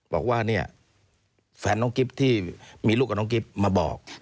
บอกว่าเนี่ยแฟนน้องกิ๊บที่มีลูกกับน้องกิฟต์มาบอก